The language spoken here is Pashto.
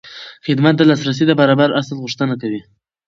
خدمت د لاسرسي د برابر اصل غوښتنه کوي.